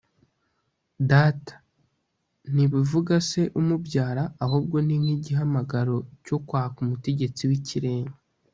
data: ntibivuga se umubyara, ahubwo ni nk’igihamagaro cyo kwaka umutegetsi w’ikirenga